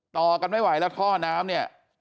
ต่อกันไม่ไหวแล้วท่อน้ำเนี่ย